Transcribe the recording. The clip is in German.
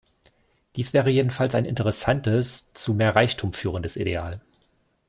Dies wäre jedenfalls ein interessanteres, zu mehr Reichtum führendes Ideal.